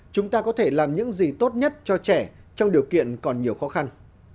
chúng ta có thể làm những gì tốt nhất cho trẻ trong điều kiện còn nhiều khó khăn